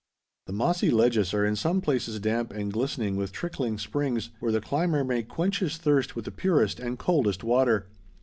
The mossy ledges are in some places damp and glistening with trickling springs, where the climber may quench his thirst with the purest and coldest water.